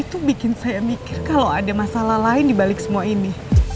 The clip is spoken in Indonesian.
itu bikin saya mikir kalau ada masalah lain dibalik semua ini